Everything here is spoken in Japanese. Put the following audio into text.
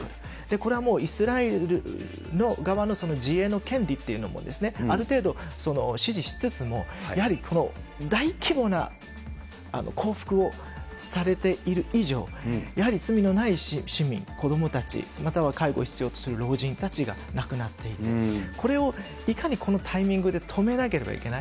これはもうイスラエルの側の自衛の権利というのも、ある程度支持しつつも、やはりこの大規模な報復をされている以上、やはり罪のない市民、子どもたち、または介護を必要とする老人たちが亡くなっていて、これをいかにこのタイミングで止めなければいけない。